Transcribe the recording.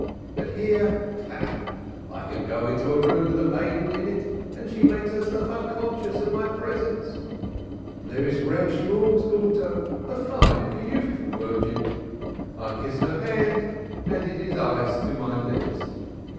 But here! I can go into a room with a maiden in it and she makes herself unconscious of my presence. There is Reb Shemuel's daughter a fine beautiful virgin. I kiss her hand and it is ice to my lips.